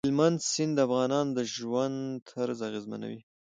هلمند سیند د افغانانو د ژوند طرز اغېزمنوي.